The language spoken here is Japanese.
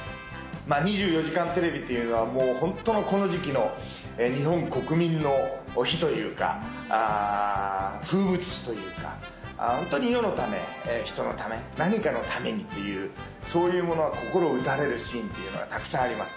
２４時間テレビっていうのは、もう本当のこの時期の日本国民の日というか、風物詩というか、本当に世のため、人のため、何かのためにっていう、そういうものが、心打たれるようなシーンっていうのがたくさんあります。